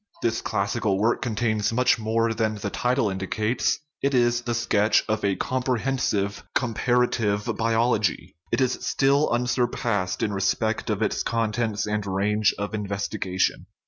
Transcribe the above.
This classical work contains much more than the title indicates ; it is the sketch of a comprehensive " comparative biology." It is still unsurpassed in re spect of its contents and range of investigation.